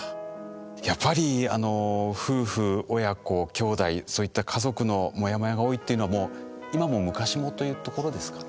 やっぱりあの夫婦親子きょうだいそういった家族のモヤモヤが多いっていうのはもう今も昔もというところですかね。